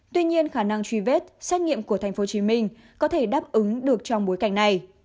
tuy nhiên khả năng truy vết xét nghiệm của tp hcm có thể đáp ứng được trong bối cảnh này